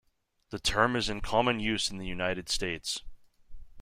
The term is in common use in the United States.